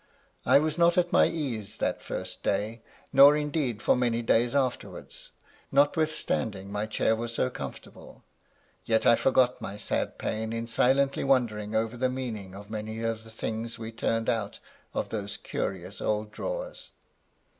I was not at my ease that first day, nor indeed for many days afterwards, notwithstanding my chair was so comfortable. Yet I forgot my sad pain in silently wondering over the meaning of many of the things we turned out of those curious old drawers.